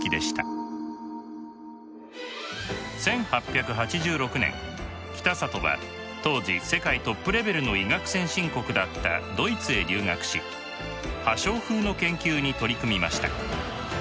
１８８６年北里は当時世界トップレベルの医学先進国だったドイツへ留学し破傷風の研究に取り組みました。